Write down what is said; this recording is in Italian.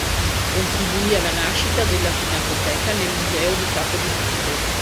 Contribuì alla nascita della pinacoteca nel Museo di Capodimonte.